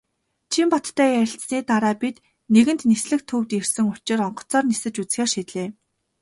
Чинбаттай ярилцсаны дараа бид нэгэнт "Нислэг" төвд ирсэн учир онгоцоор нисэж үзэхээр шийдлээ.